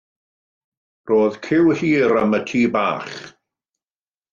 Roedd ciw hir am y tŷ bach.